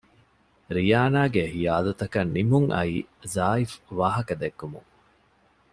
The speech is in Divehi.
ރިޔާނާގެ ހިޔާލުތަކަށް ނިމުން އައީ ޒާއިފް ވާހަކަ ދެއްކުމުން